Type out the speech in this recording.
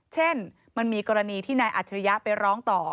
เช่นมันมีกรณีที่นายอัจฉริยะไปร้องต่อ